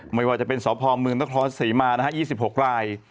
ไม่ว่าจะเป็นสอบภอมเมืองนครราชศรีมานะฮะ๒๖ราย